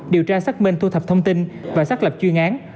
điều tra xác minh thu thập thông tin và xác lập chuyên án